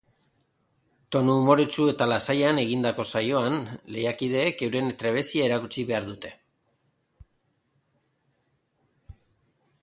Tonu umoretsu eta lasaian egindako saioan, lehiakideek euren trebezia erakutsi behar dute.